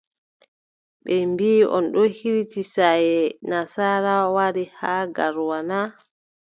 Ɓe mbiʼi on ɗo hiriti saaye nasaara, wari haa Garoua na ?